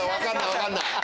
分かんない。